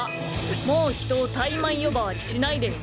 もう人を怠慢呼ばわりしないでよね。